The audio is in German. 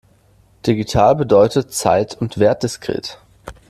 Digital bedeutet zeit- und wertdiskret.